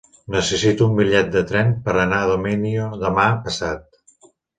Necessito un bitllet de tren per anar a Domenyo demà passat.